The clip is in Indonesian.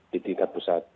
di tingkat pusat